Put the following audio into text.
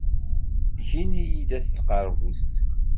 Ggin-iyi-d At Tqerbuzt.